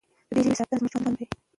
د دې ژبې ساتنه زموږ ژوند دی.